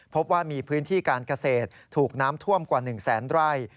พบว่ามีพื้นที่การเกษตรถูกน้ำท่วมกว่า๑แสนไร่